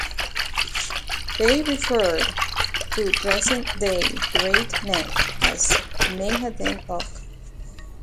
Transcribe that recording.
They referred to present-day Great Neck as Menhaden-Ock.